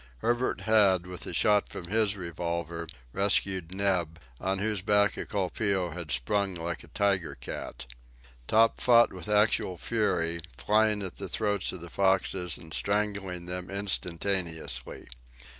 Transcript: Herbert had, with a shot from his revolver, rescued Neb, on whose back a colpeo had sprung like a tiger cat. Top fought with actual fury, flying at the throats of the foxes and strangling them instantaneously.